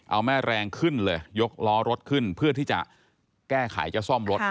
เอาแม่แรงขึ้นเลยยกล้อรถขึ้นเพื่อที่จะแก้ไขจะซ่อมรถ